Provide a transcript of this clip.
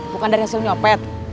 bukan dari hasil nyopet